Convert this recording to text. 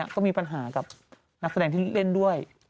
ก็มีปัญหากับนักแสดงที่เล่นด้วย